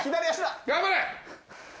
頑張れ！